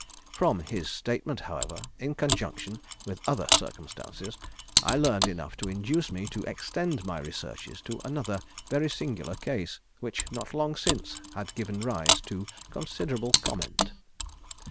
"From his statement, however, in conjunction with other circumstances, I learned enough to induce me to extend my researches to another very singular case, which not long since had given rise to considerable comment.